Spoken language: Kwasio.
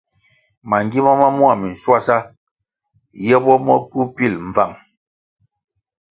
Mangima ma mua minschuasa ye bo mo kywu pil mbvang.